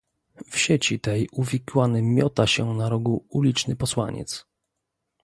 "W sieci tej uwikłany miota się na rogu uliczny posłaniec."